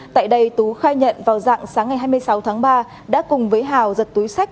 tại đây tú khai nhận vào dạng sáng ngày hai mươi sáu tháng ba đã cùng với hào giật túi sách